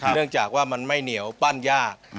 เนื่องจากว่ามันไม่เหนียวปั้นยาก